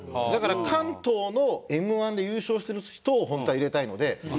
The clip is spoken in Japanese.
だから関東のＭ−１で優勝してる人を本当は入れたいので。